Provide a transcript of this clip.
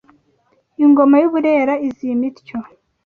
Ingoma y’u Burera izima ityo